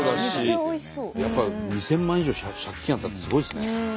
やっぱり２，０００万円以上借金あったってすごいですね。